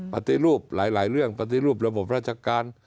ปฏิรูปหลายเรื่องปฏิรูประบบราชการ